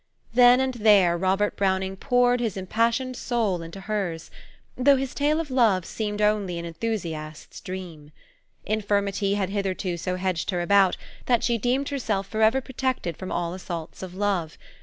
Then and there Robert Browning poured his impassioned soul into hers; though his tale of love seemed only an enthusiast's dream. Infirmity had hitherto so hedged her about, that she deemed herself forever protected from all assaults of love.